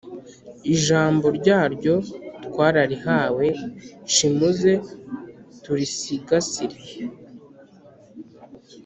Ijambo nyaryo twararihawe cimuze turisigasire .